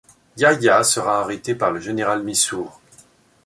Yahyia sera arrêté par le général Misur.